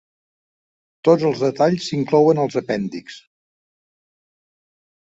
Tots els detalls s'inclouen als apèndixs.